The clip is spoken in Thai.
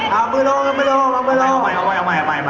เอามือลอง